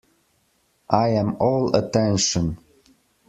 I am all attention.